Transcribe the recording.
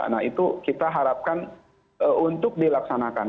nah itu kita harapkan untuk dilaksanakan